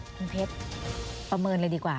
คุณเพชรประเมินเลยดีกว่า